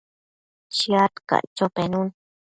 Shiad caic cho caimbi